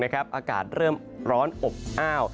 อากาศเริ่มร้อนอบอ้าว